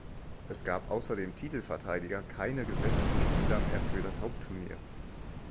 Es gab außer dem Titelverteidiger keine gesetzten Spieler mehr für das Hauptturnier.